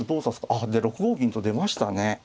あっで６五銀と出ましたね。